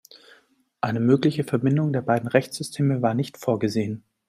Eine mögliche Verbindung der beiden Rechtssysteme war nicht vorgesehen.